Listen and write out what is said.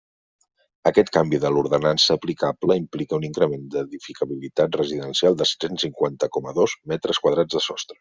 Aquest canvi de l'ordenança aplicable implica un increment d'edificabilitat residencial de set-cents cinquanta coma dos metres quadrats de sostre.